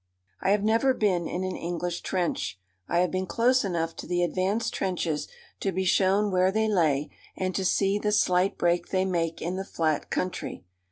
I have never been in an English trench. I have been close enough to the advance trenches to be shown where they lay, and to see the slight break they make in the flat country.